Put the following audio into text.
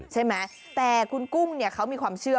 ใช่ไหมแต่คุณกุ้งมีความเชื่อ